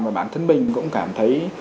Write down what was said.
và bản thân mình cũng cảm thấy